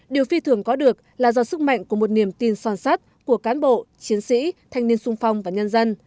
điều phi thường có được là do sức mạnh của một niềm tin son sắt của cán bộ chiến sĩ thanh niên sung phong và nhân dân